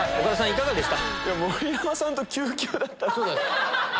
いかがでした？